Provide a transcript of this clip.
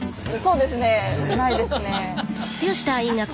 そうですねないですね。